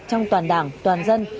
trong toàn đảng toàn dân